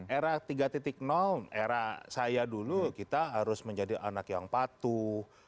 era tiga era saya dulu kita harus menjadi anak yang patuh